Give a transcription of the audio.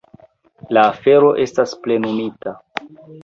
La afero estas plenumita.